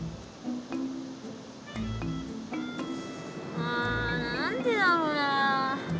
あ何でだろうな？